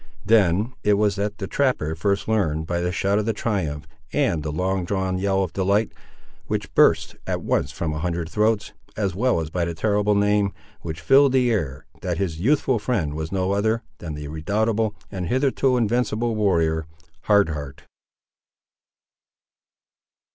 Then it was that the trapper first learned, by the shout of triumph and the long drawn yell of delight, which burst at once from a hundred throats, as well as by the terrible name, which filled the air, that his youthful friend was no other than that redoubtable and hitherto invincible warrior, Hard Heart.